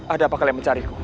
ada apa kalian mencariku